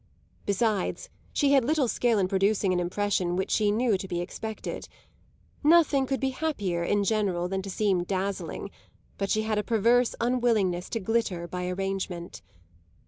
Besides, she had little skill in producing an impression which she knew to be expected: nothing could be happier, in general, than to seem dazzling, but she had a perverse unwillingness to glitter by arrangement.